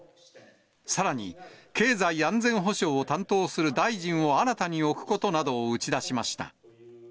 さらに経済安全保障を担当する大臣を新たに置くことなどを打ち出しました。